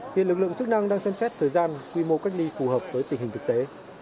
hiện lực lượng chức năng đang xem xét thời gian quy mô cách ly phù hợp với tình hình thực tế